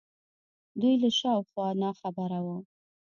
دوی له شا و خوا ناخبره وو